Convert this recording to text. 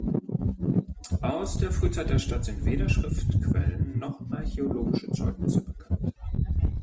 Aus der Frühzeit der Stadt sind weder Schriftquellen noch archäologische Zeugnisse bekannt.